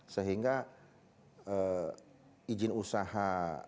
sehingga izin usaha